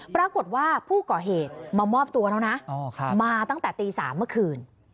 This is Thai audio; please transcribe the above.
ปรากฏว่าผู้ก่อเหตุมามอบตัวแล้วนะมาตั้งแต่ตี๓เมื่อคืน